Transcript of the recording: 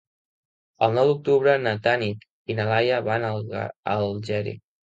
El nou d'octubre na Tanit i na Laia van a Algerri.